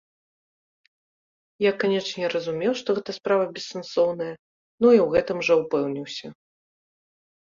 Я, канечне, разумеў, што гэта справа бессэнсоўная ну і ў гэтым жа упэўніўся.